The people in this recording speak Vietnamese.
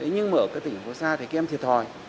nhưng mà ở các tỉnh phố xa thì các em thiệt hòi